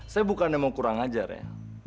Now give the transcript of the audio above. saya bukan yang mau kurang ajar ya